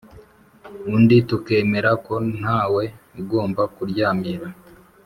undi tukemera ko ntawe ugomba kuryamira